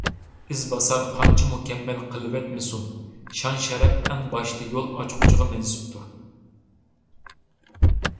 ئىز باسار قانچە مۇكەممەل قىلىۋەتمىسۇن، شان - شەرەپ ئەڭ باشتا يول ئاچقۇچىغا مەنسۇپتۇر.